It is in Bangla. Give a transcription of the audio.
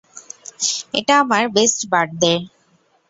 এটা আমার বেস্ট বার্থডে।